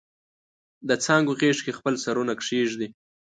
دڅانګو غیږ کې خپل سرونه کښیږدي